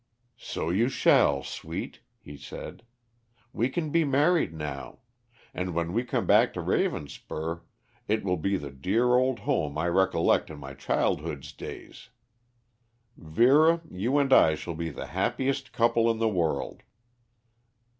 "So you shall, sweet," he said. "We can be married now. And when we come back to Ravenspur it will be the dear old home I recollect in my childhood's days. Vera, you and I shall be the happiest couple in the world."